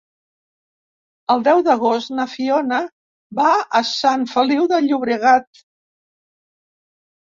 El deu d'agost na Fiona va a Sant Feliu de Llobregat.